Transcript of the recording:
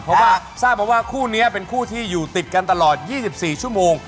เพราะว่าทราบมาว่าคู่นี้เป็นคู่ที่อยู่ติดกันตลอด๒๔ชั่วโมง